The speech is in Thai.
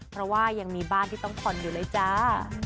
เพราะว่ายังมีบ้านที่ต้องผ่อนอยู่เลยจ้า